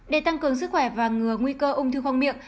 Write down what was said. để tăng cường sức khỏe và ngừa nguy cơ ung thư khoang miệng